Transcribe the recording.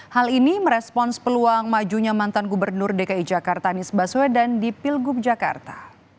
hal ini merespons peluang majunya mantan gubernur dki jakarta anies baswedan di pilgub jakarta